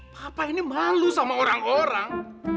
papa ini malu sama orang orang